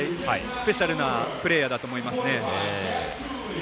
スペシャルなプレーヤーだと思いますね。